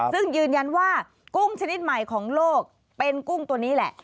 ซึ่งยืนยันว่ากุ้งชนิดใหม่ของโลกเป็นกุ้งตัวนี้แหละ